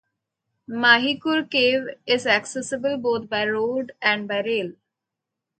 Mahi Kur Cave is accessible both by road and by rail.